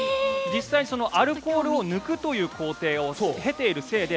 実際アルコールを抜くという工程をへているせいで。